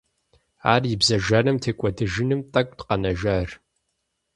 Ар и бзэ жаным текӀуэдэжыным тӀэкӀут къэнэжар.